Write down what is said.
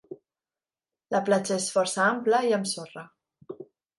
La platja és força ampla i amb sorra.